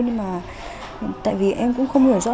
nhưng mà tại vì em cũng không hiểu do